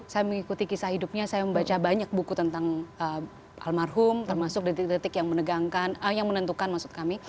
saya mengikuti kisah hidupnya saya membaca banyak buku tentang almarhum termasuk detik detik yang menentukan maksud kami